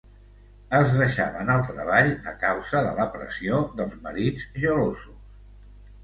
Es deixaven el treball a causa de la pressió dels marits gelosos.